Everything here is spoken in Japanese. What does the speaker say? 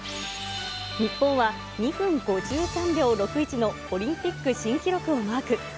日本は２分５３秒６１のオリンピック新記録をマーク。